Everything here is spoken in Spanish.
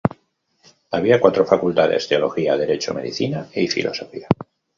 Había cuatro facultades: Teología, Derecho, Medicina y Filosofía.